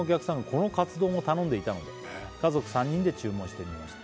「このカツ丼を頼んでいたので家族３人で注文してみました」